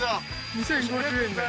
２，０５０円です。